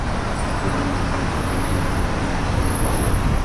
তিনি নিজ মাতাকেও সৎভাইকে হত্যা করেছেন।